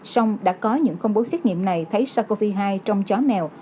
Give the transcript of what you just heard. xong đã có những công bố xét nghiệm này thấy sars cov hai trong chó mèo